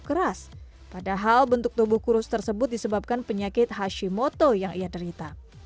keras padahal bentuk tubuh kurus tersebut disebabkan penyakit hashimoto yang ia derita